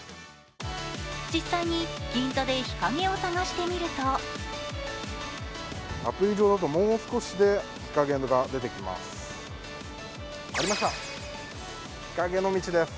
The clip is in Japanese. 実際に銀座で日陰を探してみるとアプリ上だともう少しで日陰が出てきます。